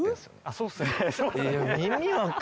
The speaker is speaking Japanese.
そうですね